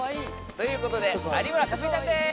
ということで有村架純ちゃんです！